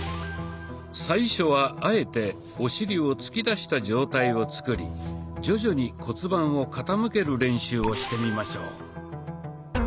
最初はあえてお尻を突き出した状態を作り徐々に骨盤を傾ける練習をしてみましょう。